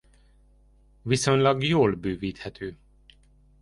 Viszonylag jól bővíthető.